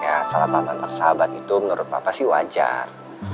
ya salah paham anak sahabat itu menurut papa sih wajar